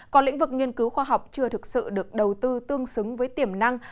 còn lĩnh vực nghiên cứu khoa học chưa thực sự được đầu tư tương xứng với tiềm năng